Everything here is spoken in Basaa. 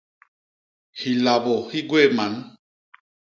Hilabô hi gwéé man.